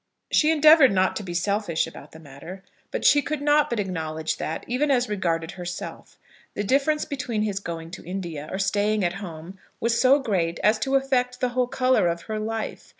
She endeavoured not to be selfish about the matter; but she could not but acknowledge that, even as regarded herself, the difference between his going to India or staying at home was so great as to affect the whole colour of her life.